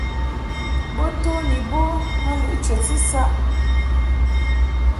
Bo to ni bo ma lɨʼ chəti saʼ.